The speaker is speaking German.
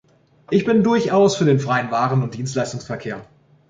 Ich bin durchaus für den freien Waren- und Dienstleistungsverkehr.